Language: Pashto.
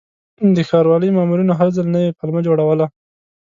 د ښاروالۍ مامورینو هر ځل نوې پلمه جوړوله.